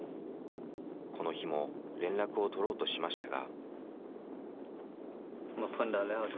この日も連絡を取ろうとしましたが。